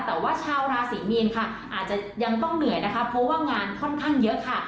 แต่ว่าชาวราศรีมีนค่ะอาจจะยังต้องเหนื่อยนะคะเพราะว่างานค่อนข้างเยอะค่ะ